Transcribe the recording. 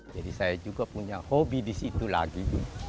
jadi saya juga punya hobi di situ lagi